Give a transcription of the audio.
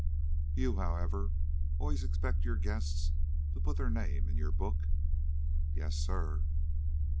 "You, however, always expect your guests to put their names in your book?" "Yes, sir."